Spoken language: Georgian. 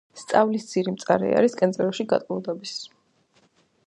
სწავლის ძირი მწარე არის კენწეროში გატკბილდების